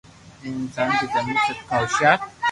اها انسان کي زمين تي سڀ کان هوشيار